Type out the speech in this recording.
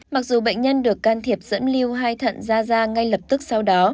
mặc dù bệnh nhân được can thiệp dẫn lưu hai thận ra da ngay lập tức sau đó